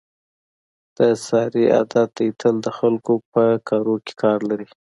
د سارې عادت دی تل د خلکو په کاروکې کار لري.